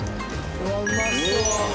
「うわうまそう！」